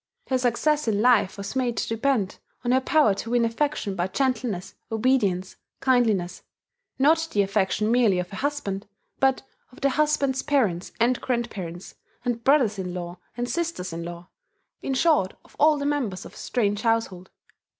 Her success in life was made to depend on her power to win affection by gentleness, obedience, kindliness; not the affection merely of a husband, but of the husband's parents and grandparents, and brothers in law and sisters in law, in short of all the members of a strange household.